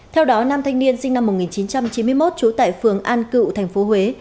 theo đó nam thanh niên sinh năm một nghìn chín trăm chín mươi một trú tại phường an cựu tp huế